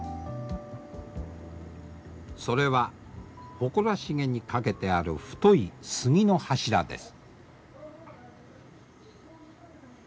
それは誇らしげに掛けてある太い杉の柱です。